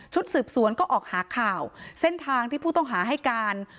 สืบสวนก็ออกหาข่าวเส้นทางที่ผู้ต้องหาให้การ